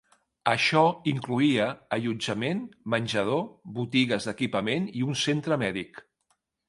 Això incloïa allotjament, menjador, botigues d'equipament i un centre mèdic.